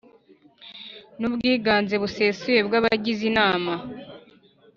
n ubwiganze busesuye bw abagize Inama